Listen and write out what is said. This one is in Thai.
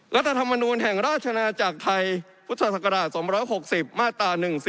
รัฐธรรมนูลแห่งราชนาจักรไทยพุทธศักราช๒๖๐มาตรา๑๔